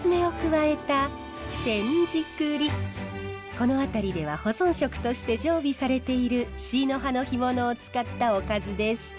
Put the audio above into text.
この辺りでは保存食として常備されているシイノハの干物を使ったおかずです。